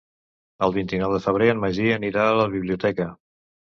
El vint-i-nou de febrer en Magí anirà a la biblioteca.